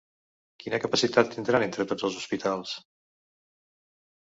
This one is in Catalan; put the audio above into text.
Quina capacitat tindran entre tots els hospitals?